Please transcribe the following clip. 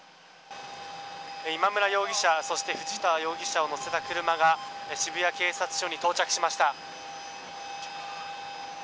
今村容疑者そして藤田容疑者を乗せた車が渋谷警察署に到着しました。